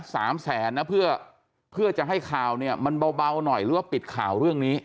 สามแสนนะเพื่อเพื่อจะให้ข่าวเนี่ยมันเบาหน่อยหรือว่าปิดข่าวเรื่องนี้